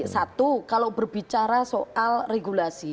satu kalau berbicara soal regulasi